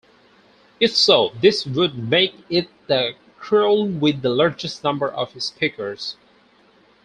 If so, this would make it the creole with the largest number of speakers.